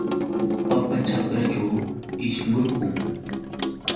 Papa ćhakraćhu ishmurqun.